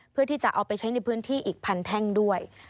เพื่อที่จะเอาไปใช้ในพื้นที่อีกพันแท่งด้วย